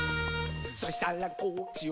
「そしたらこっちを」